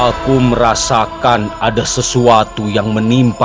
aku merasakan ada sesuatu yang menimpa